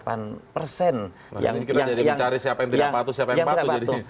jadi kita jadi mencari siapa yang tidak patuh siapa yang patuh